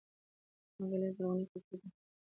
آغلي زرغونې کاکړي د خپل وخت علوم لوستلي ول.